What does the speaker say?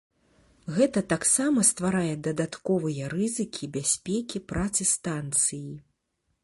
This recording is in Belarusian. Гэта таксама стварае дадатковыя рызыкі бяспекі працы станцыі.